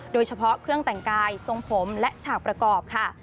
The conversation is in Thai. โดยเฉพาะเครื่องแต่งกายทรงผมและฉากประกอบค่ะ